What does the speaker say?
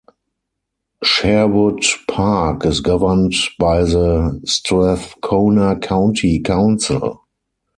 Sherwood Park is governed by the Strathcona County Council.